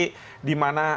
yang misalnya di mana